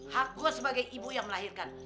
hak gue sebagai ibu yang melahirkan